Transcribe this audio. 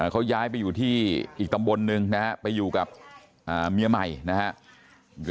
เขาย้ายไปอยู่ที่อีกตำบลหนึ่งนะฮะไปอยู่กับเมียใหม่นะครับ